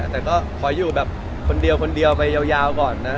แต่ก็ขออยู่แบบคนเดียวคนเดียวไปยาวก่อนนะ